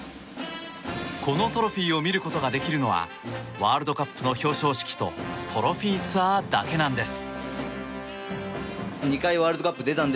このトロフィーを見ることができるのはワールドカップの表彰式とトロフィーツアーだけなんです。